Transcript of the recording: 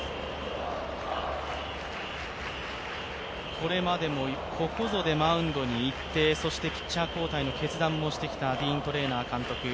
これまでもここぞでマウンドに行ってピッチャー交代の決断をしてきたディーン・トレーナー監督。